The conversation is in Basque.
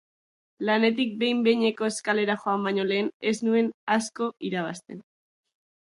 Lanetik behin-behinekoz kalera joan baino lehen, ez nuen asko irabazten.